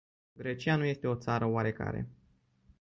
Grecia nu este o țară oarecare.